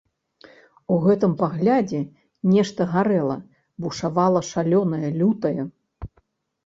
У гэтым паглядзе нешта гарэла, бушавала шалёнае, лютае.